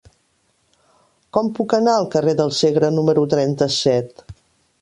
Com puc anar al carrer del Segre número trenta-set?